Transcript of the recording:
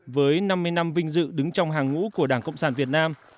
với năm mươi năm vinh dự đứng trong hàng ngũ của đảng cộng sản việt nam